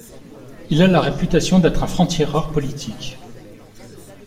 Il a la réputation d'être un franc-tireur politique.